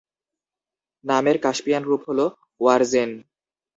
নামের কাস্পিয়ান রূপ হল "ওয়ারজেন"।